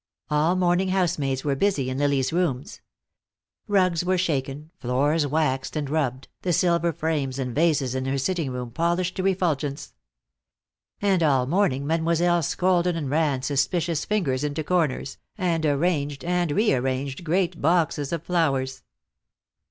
All morning housemaids were busy in Lily's rooms. Rugs were shaken, floors waxed and rubbed, the silver frames and vases in her sitting room polished to refulgence. And all morning Mademoiselle scolded and ran suspicious fingers into corners, and arranged and re arranged great boxes of flowers.